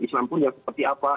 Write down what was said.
islam pun yang seperti apa